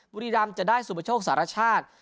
บุรีรัมย์จะได้สุประโชคสหรัฐชาติ